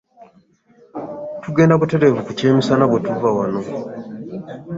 Tugenda butereevu ku kyemisana oluva wano.